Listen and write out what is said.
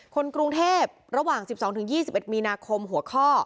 คนกรุงเทพระหว่าง๑๒๒๑มีนาคมหัวข้อ